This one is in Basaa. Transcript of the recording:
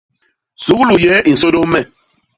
Suglu yéé i nsôdôs me.